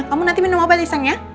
kamu nanti minum obat iseng ya